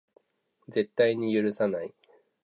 絶対に許さない